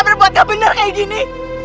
berbuat gak bener kayak gini